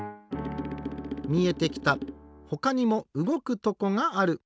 みえてきたほかにもうごくとこがある。